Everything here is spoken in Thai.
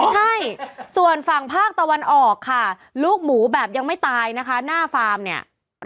ใช่ส่วนฝั่งภาคตะวันออกค่ะลูกหมูแบบยังไม่ตายนะคะหน้าฟาร์มเนี่ย